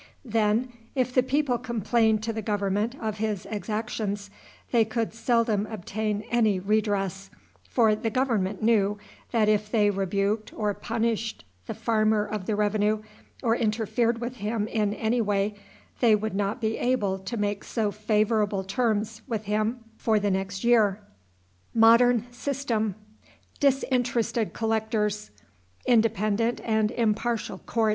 Then, if the people complained to the government of his exactions, they could seldom obtain any redress, for the government knew that if they rebuked or punished the farmer of the revenue, or interfered with him in any way, they would not be able to make so favorable terms with him for the next year.